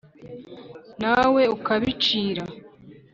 Na we ukabicira.